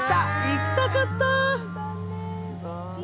行きたかった！